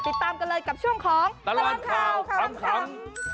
ติดตามกันเลยกับช่วงของตลอดข่าวขำ